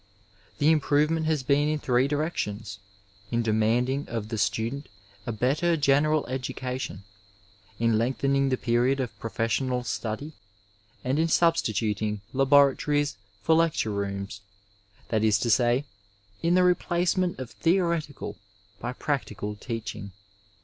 The improvement has been in three directions : in demand ing of the student a better general education ; in lengthening the period of professional study ; and in substituting laboratories for lecture rooms — ^that is to say, in the replace ment of theoretical by practical teaching.